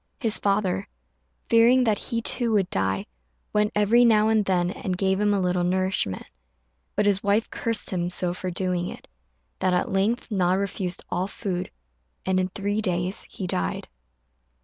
His father, fearing that he too would die, went every now and then and gave him a little nourishment; but his wife cursed him so for doing it, that at length Na refused all food, and in three days he died.